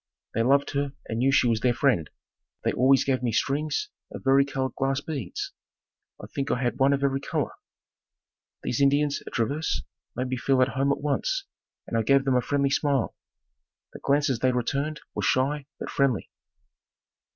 They loved her and knew she was their friend. They always gave me strings of vari colored glass beads. I think I had one of every color. These Indians at Traverse made me feel at home at once and I gave them a friendly smile. The glances they returned were shy, but friendly.